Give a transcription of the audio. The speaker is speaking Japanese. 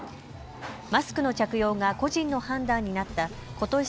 マスクの着用が個人の判断になったことし